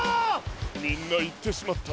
みんないってしまった。